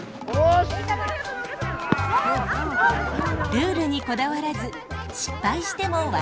ルールにこだわらず失敗しても笑い飛ばす。